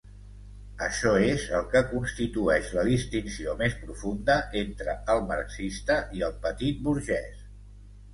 Això és el que constitueix la distinció més profunda entre el marxista i el petitburgès.